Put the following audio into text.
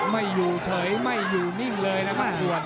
ไม่อยู่เฉยไม่อยู่นิ่งเลยนะมั่นส่วน